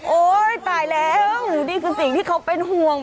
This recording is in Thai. โอ๊ยตายแล้วนี่คือสิ่งที่เขาเป็นห่วง